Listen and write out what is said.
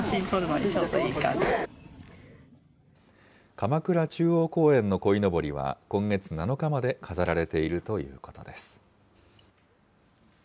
鎌倉中央公園のこいのぼりは今月７日まで飾られているということです。